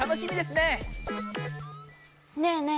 ねえねえ